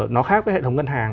nó khác với hệ thống ngân hàng